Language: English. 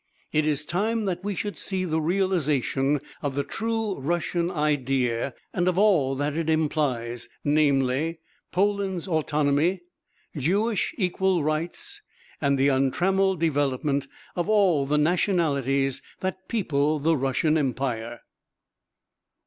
It is time that we should see the realisation of the true Russian idea and of all that it implies, namely: Poland's autonomy, Jewish equal rights and the untrammelled development of all the nationalities that people the Russian Empire.